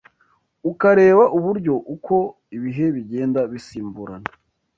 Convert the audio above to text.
ukareba uburyo uko ibihe bigenda bisimburana